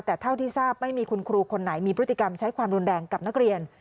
แต่เท่าที่ทราบไม่มีคุณครูคนไหนมีพฤติกรรมใช้ความรุนแรงกับนักเรียน